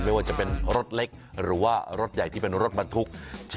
ไม่ว่าจะเป็นรถเล็ก